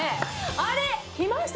あれっ？きました！